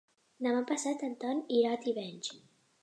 Demà passat en Ton irà a Tivenys.